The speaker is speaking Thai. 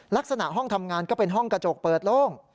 ลักษณะห้องทำงานก็เป็นห้องกระจกเปิดโล่ง